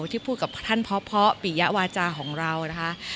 ที่พูดกับท่านเพาะปิยะวาจาของเรานะคะ